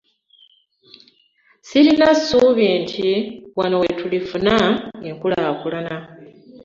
Ssirina ssuubi nti wano tulifuna enkulaakulana.